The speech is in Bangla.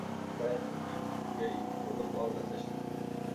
তাই আজ ভোরে উঠেই প্রথম তোমার কাছে এসেছি।